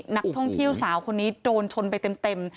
นักท่องเที่ยวสาวคนนี้โดนชนไปเต็ม